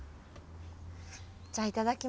じゃあいただきます。